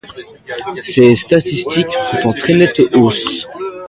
Ses statistiques sont en très nette hausse.